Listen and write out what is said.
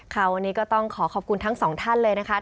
วันนี้ก็ต้องขอขอบคุณทั้งสองท่านเลยนะคะ